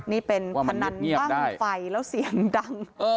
นี่เป็นพนันตั้งไฟแล้วเสียงดัง